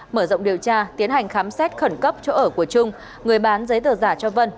mở rộng điều tra tiến hành khám xét khẩn cấp chỗ ở của trung người bán giấy tờ giả cho vân